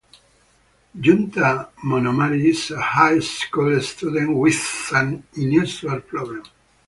Junta Momonari is a high school student with an unusual problem.